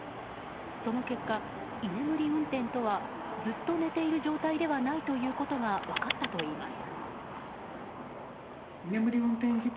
その結果、居眠り運転とはずっと寝ている状態ではないということが分かったといいます。